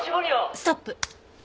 ストップ。